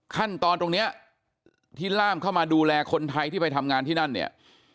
ตรงเนี้ยที่ล่ามเข้ามาดูแลคนไทยที่ไปทำงานที่นั่นเนี่ย